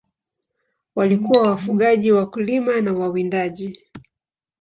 Walikuwa wafugaji, wakulima na wawindaji.